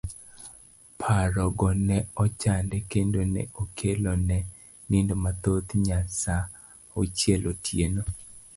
Parogo ne ochande kendo ne okelo ne nindo mathoth nya sa auchiel otieno.